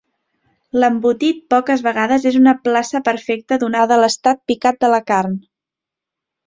L'embotit poques vegades és una plaça perfecta donada l'estat picat de la carn.